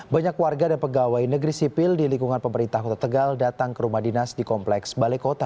banyak warga dan pegawai negeri sipil di lingkungan pemerintah kota tegal datang ke rumah dinas di kompleks balai kota